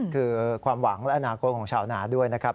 คือความหวังและอนาคตของชาวนาด้วยนะครับ